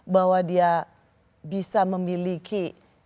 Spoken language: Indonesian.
bahwa dia bisa memiliki